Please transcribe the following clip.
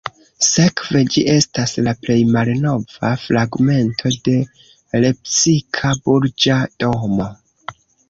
Sekve ĝi estas la plej malnova fragmento de lepsika burĝa domo.